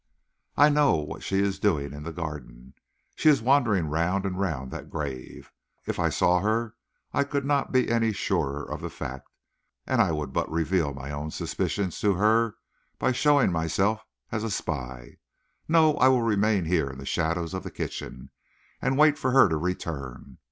I know what she is doing in the garden. She is wandering round and round that grave. If I saw her I could not be any surer of the fact, and I would but reveal my own suspicions to her by showing myself as a spy. No; I will remain here in the shadows of the kitchen, and wait for her to return.